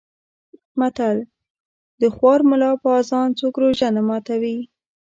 متل: د خوار ملا په اذان څوک روژه نه ماتوي.